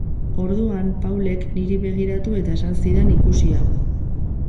Orduan Paulek niri begiratu eta esan zidan ikusi hau.